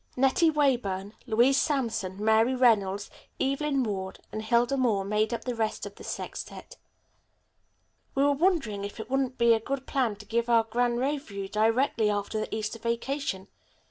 Nettie Weyburn, Louise Sampson, Mary Reynolds, Evelyn Ward and Hilda Moore made up the rest of the sextette. "We are wondering if it wouldn't be a good plan to give our grand revue directly after the Easter vacation.